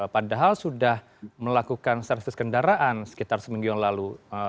padahal sudah melakukan servis kendaraan sekitar seminggu yang lalu